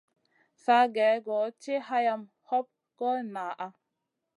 Sa gèh-goh tiʼi hayam hoɓ goy ŋaʼa.